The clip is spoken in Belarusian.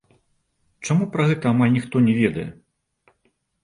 Чаму пра гэта амаль ніхто не ведае?